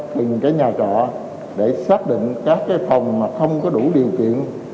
từng cái nhà trọ để xác định các cái phòng mà không có đủ điều kiện